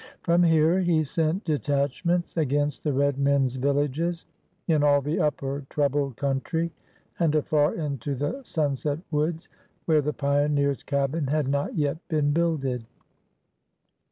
From here he sent detachments against the red men's villages in all the upper troubled country, and alar into the sunset woods where the pioneer's cabin had not yet been builded.